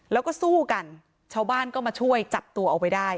แล้วก็สู้กันชาวบ้านก็มาช่วยจับตัวเอาไว้ได้